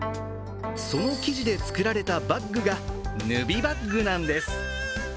その生地で作られたバッグがヌビバッグなんです。